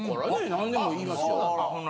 なんでも言いますよ。